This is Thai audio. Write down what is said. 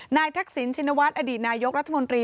ทักษิณชินวัฒน์อดีตนายกรัฐมนตรี